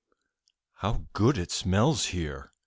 "How good it smells here!"